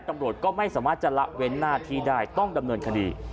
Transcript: ตำรวจก็ไม่สามารถจะละเว้นหน้าที่ได้ต้องดำเนินคดี